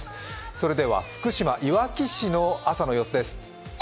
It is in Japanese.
それでは福島いわき市の朝の様子です。